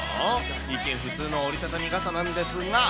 一見、普通の折り畳み傘なんですが。